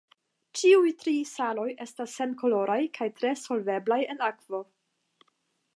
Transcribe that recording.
Ĉiuj tri saloj estas senkoloraj kaj tre solveblaj en akvo.